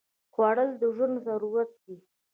خوړل د ژوند ضرورت دی